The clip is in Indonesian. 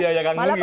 iya ya kang mungi